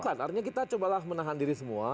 bukan artinya kita cobalah menahan diri semua